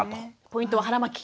ポイントは腹巻き。